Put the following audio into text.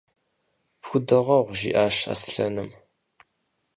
– Пхудогъэгъу, – жиӀащ Аслъэным.